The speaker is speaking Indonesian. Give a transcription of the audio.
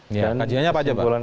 kajiannya apa saja pak